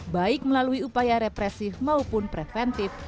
baik melalui upaya represif maupun preventif